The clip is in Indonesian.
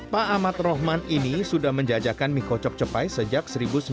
pak ahmad rohman ini sudah menjajakan mie kocok cepai sejak seribu sembilan ratus sembilan puluh